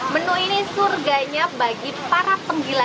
menu ini surganya bagi para penggila